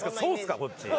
こっち。